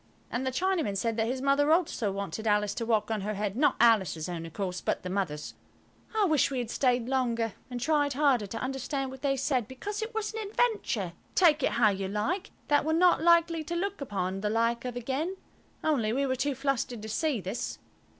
And the Chinaman said that his mother also wanted Alice to walk on her head–not Alice's own, of course, but the mother's. I wished we had stayed longer, and tried harder to understand what they said, because it was an adventure, take it how you like, that we're not likely to look upon the like of again Only we were too flustered to see this.